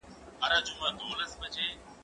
هغه څوک چي اوبه څښي قوي وي!.